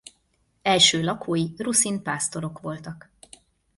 Első lakói ruszin pásztorok voltak.